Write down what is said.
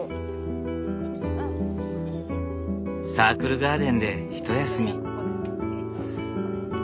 サークルガーデンでひと休み。